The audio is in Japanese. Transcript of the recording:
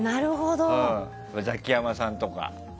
ザキヤマさんとか。